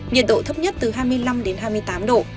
nhiệt độ thấp nhất từ hai mươi năm đến hai mươi tám độ